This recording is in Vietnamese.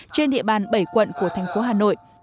trên địa bàn bảy quận của thành phố hà nội